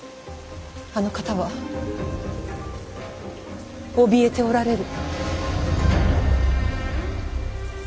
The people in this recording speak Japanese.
あの方はおびえておられる。